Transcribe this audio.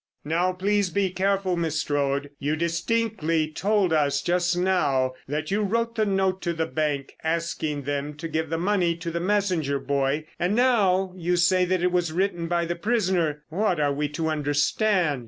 "Now, please be careful, Miss Strode; you distinctly told us just now that you wrote the note to the bank asking them to give the money to the messenger boy, and now you say that it was written by the prisoner. What are we to understand?"